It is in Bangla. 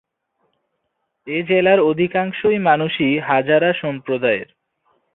এই জেলার অধিকাংশই মানুষই হাজারা সম্প্রদায়ের।